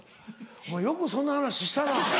お前よくそんな話したな。